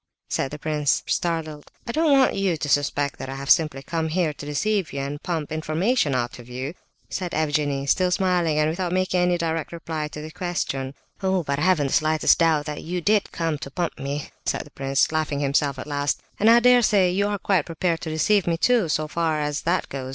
said the prince, startled. "I don't want you to suspect that I have simply come here to deceive you and pump information out of you!" said Evgenie, still smiling, and without making any direct reply to the question. "Oh, but I haven't the slightest doubt that you did come to pump me," said the prince, laughing himself, at last; "and I dare say you are quite prepared to deceive me too, so far as that goes.